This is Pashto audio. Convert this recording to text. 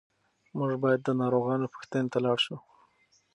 موږ باید د ناروغانو پوښتنې ته لاړ شو.